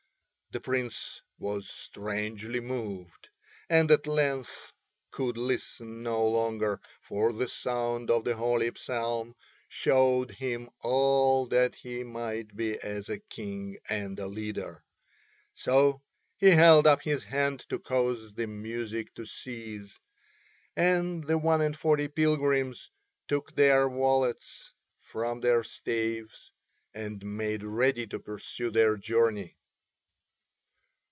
The Prince was strangely moved, and at length could listen no longer, for the sound of the holy psalm showed him all that he might be as a King and a Leader; so he held up his hand to cause the music to cease, and the one and forty pilgrims took their wallets from their staves and made ready to pursue their journey.